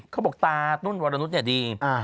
เขาบอกตานุ่นวรนุษย์เนี่ยดี